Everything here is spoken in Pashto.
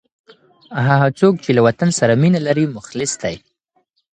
هغه څوک چي له وطن سره مینه لري، مخلص دی.